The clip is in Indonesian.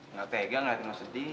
nggak tegang nggak mau sedih